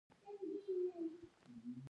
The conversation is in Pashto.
خان زمان وویل، ستا له حقه به زه څه وکړم.